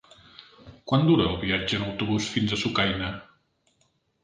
Quant dura el viatge en autobús fins a Sucaina?